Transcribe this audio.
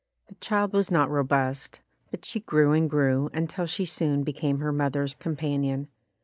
The child was not robust, but she grew and grew until she soon became her mother's com panion.